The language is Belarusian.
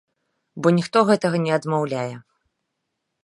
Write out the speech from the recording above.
Бо ніхто гэтага не адмаўляе.